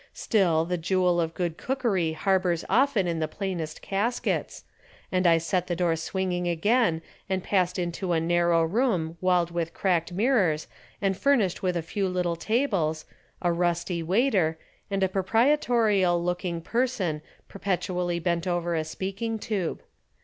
Still the jewel of good cookery harbors often in the plainest caskets, and I set the door swinging again and passed into a narrow room walled with cracked mirrors and furnished with a few little tables, a rusty waiter, and a proprietorial looking person perpetually bent over a speaking tube.